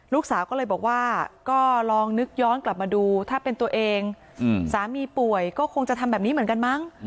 ลูกสาวก็เลยบอกว่าก็ลองนึกย้อนกลับมาดูถ้าเป็นตัวเองสามีป่วยก็คงจะทำแบบนี้เหมือนกันมั้ง